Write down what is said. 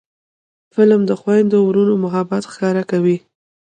فلم د خویندو ورونو محبت ښکاره کوي